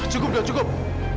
cukup dok cukup